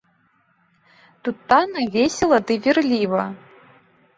Тут танна, весела ды вірліва.